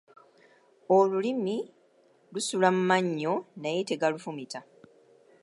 Olulimi lusula mu mannyo naye tegalufumita.